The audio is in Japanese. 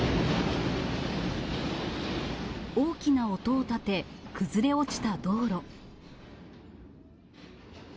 大きな音を立て、崩れ落ちた道路。